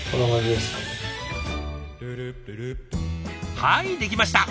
はいできました！